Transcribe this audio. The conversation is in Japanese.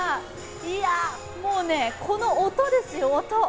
いやもうこの音ですよ、音。